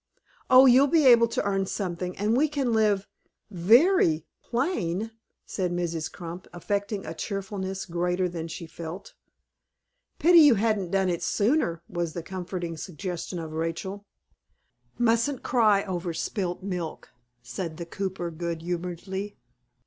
"Oh, you'll be able to earn something, and we can live very plain," said Mrs. Crump, affecting a cheerfulness greater than she felt. "Pity you hadn't done it sooner," was the comforting suggestion of Rachel. "Mustn't cry over spilt milk," said the cooper, good humoredly.